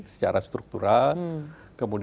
secara struktural kemudian